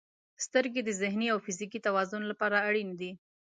• سترګې د ذهني او فزیکي توازن لپاره اړینې دي.